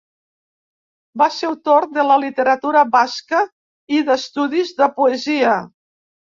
Va ser autor de literatura basca i d'estudis de poesia.